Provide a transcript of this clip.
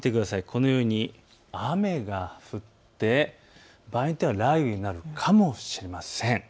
このように雨が降って場合によっては雷雨になるかもしれません。